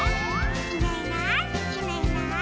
「いないいないいないいない」